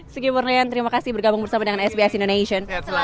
sigi murnian terima kasih bergabung bersama dengan sbs indonesia